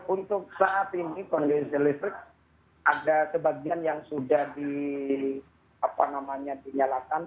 untuk saat ini kondisi listrik ada sebagian yang sudah dinyalakan